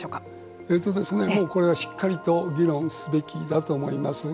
もうこれはしっかりと議論すべきだと思います。